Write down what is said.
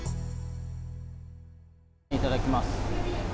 いただきます。